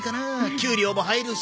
給料も入るし。